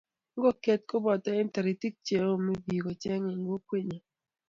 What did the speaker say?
ngokie ko boto eng' toritik che omei biik chechang' eng' kokwenyo.